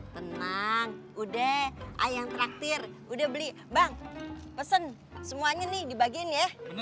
tenang udah ayah yang terakhir udah beli bang pesen semuanya nih dibagiin ya